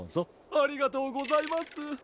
ありがとうございます。